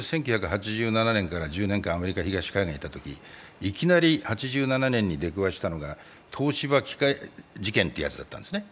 １９８７年から１０年間、アメリカの東海岸にいたときいきなり８７年に出くわしたのが東芝機械事件ってやつだったんですね。